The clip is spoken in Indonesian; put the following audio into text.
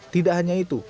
tidak hanya itu